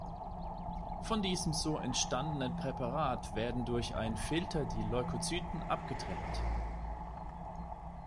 Von diesem so entstandenen Präparat werden durch ein Filter die Leukozyten abgetrennt.